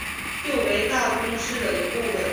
旧为大宫市的一部分。